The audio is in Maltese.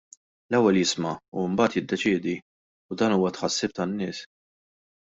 L-ewwel jisma' u mbagħad jiddeċiedi, u dan huwa tħassib tan-nies.